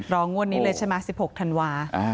งวดนี้เลยใช่ไหม๑๖ธันวา